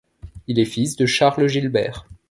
Il est fils de Charles Gilbert.